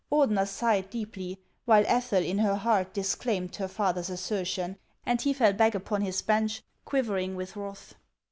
Ordener sighed deeply, while Ethel in her heart dis claimed her father's assertion ; and he fell back upon his bench, quivering with wrath.